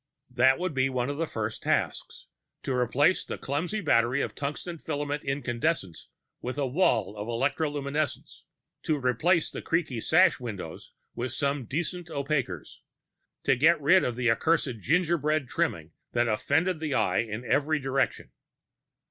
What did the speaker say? That would be one of the first tasks to replace the clumsy battery of tungsten filament incandescents with a wall of electroluminescents, to replace the creaking sash windows with some decent opaquers, to get rid of the accursed gingerbread trimming that offended the eye in every direction.